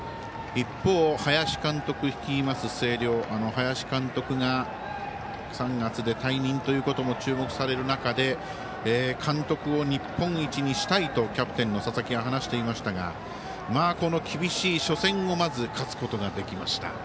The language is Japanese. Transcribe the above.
一方、林監督率います星稜林監督が３月で退任ということも注目される中で監督を日本一にしたいとキャプテンの佐々木が話していましたが厳しい初戦をまず勝つことができました。